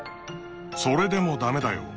それでも駄目だよ！